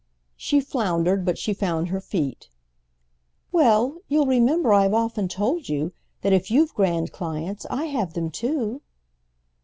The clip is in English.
She floundered, but she found her feet. "Well, you'll remember I've often told you that if you've grand clients I have them too."